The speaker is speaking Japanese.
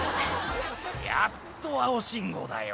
「やっと青信号だよ」